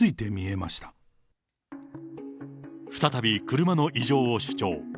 再び、車の異常を主張。